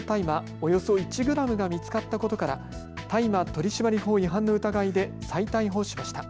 およそ１グラムが見つかったことから大麻取締法違反の疑いで再逮捕しました。